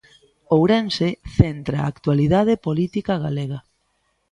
Ourense centra a actualidade política galega.